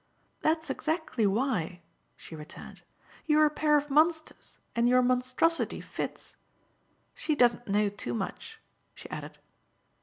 "That's exactly why," she returned. "You're a pair of monsters and your monstrosity fits. She does know too much," she added.